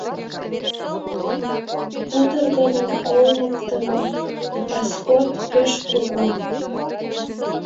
Пудыргымым олмыктымо расход пеш кугу.